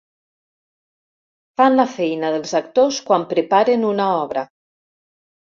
Fan la feina dels actors quan preparen una obra.